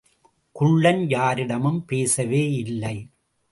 குள்ளன் யாரிடமும் பேசவேயில்லை.